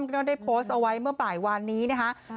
ก็ได้โพสต์เอาไว้เมื่อบ่ายวานนี้นะคะ